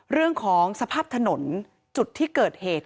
เรื่องของสภาพถนนจุดที่เกิดเหตุ